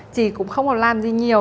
chỉ cũng không có làm gì nhiều